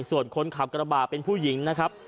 ส่วนคนขับกระบาดเป็นผู้หญิงนะครับ